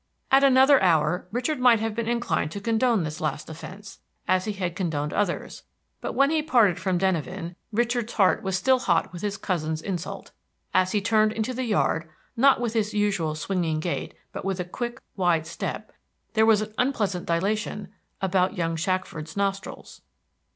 At another hour Richard might have been inclined to condone this last offense, as he had condoned others; but when he parted from Denyven, Richard's heart was still hot with his cousin's insult. As he turned into the yard, not with his usual swinging gait, but with a quick, wide step, there was an unpleasant dilation about young Shackford's nostrils.